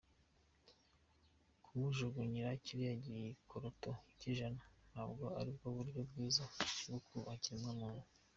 Kumujugunyira kiriya gikoroto cy’ijana, ntabwo ari bwo buryo bwiza bwo kubaha ikiremwamuntu.